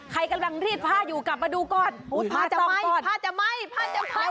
ใครกำลังรีดผ้าอยู่กลับมาดูก่อนผ้าจะไหมผ้าจะไหม้ผ้าจะไหม้